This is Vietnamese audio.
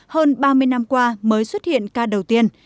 hơn ba mươi năm qua mới xuất hiện ca đầu tiên